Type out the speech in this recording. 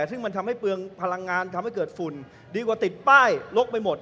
ซึ่งมันทำให้เปลืองพลังงานทำให้เกิดฝุ่นดีกว่าติดป้ายลกไปหมด